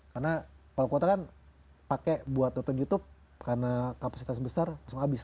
karena kalau kuota kan pakai buat nonton youtube karena kapasitas besar langsung habis ya